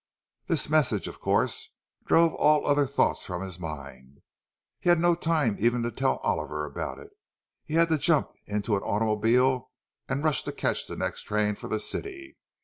This message, of course, drove all other thoughts from his mind. He had no time even to tell Oliver about it—he had to jump into an automobile and rush to catch the next train for the city.